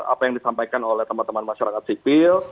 apa yang disampaikan oleh teman teman masyarakat sipil